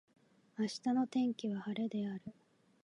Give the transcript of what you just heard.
明日の天気は晴れである。